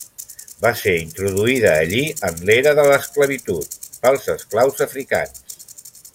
Va ser introduïda allí en l'era de l'esclavitud, pels esclaus africans.